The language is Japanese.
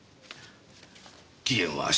期限は明日。